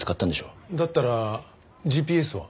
だったらＧＰＳは？